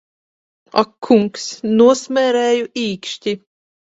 Ak kungs, nosmērēju īkšķi!